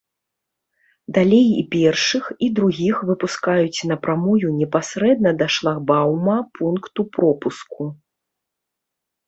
Далей і першых, і другіх выпускаюць на прамую непасрэдна да шлагбаума пункту пропуску.